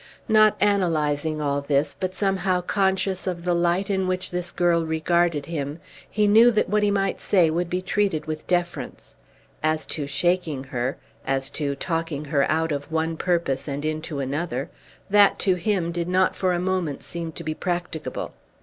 Not analysing all this, but somewhat conscious of the light in which this girl regarded him, he knew that what he might say would be treated with deference. As to shaking her, as to talking her out of one purpose and into another, that to him did not for a moment seem to be practicable.